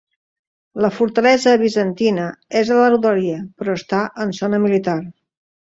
La fortalesa bizantina és a la rodalia però està en zona militar.